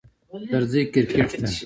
درځی کرکټ ته